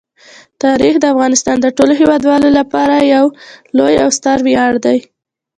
تاریخ د افغانستان د ټولو هیوادوالو لپاره یو ډېر لوی او ستر ویاړ دی.